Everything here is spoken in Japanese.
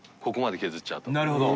なるほど。